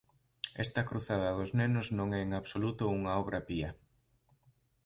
Esta cruzada dos nenos non é en absoluto unha obra pía.